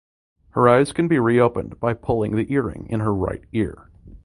Her eyes can be reopened by pulling the earring in her right ear.